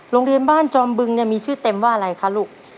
โรงเรียนบ้านจอมบึงเนี่ยมีชื่อเต็มว่าอะไรคะลูก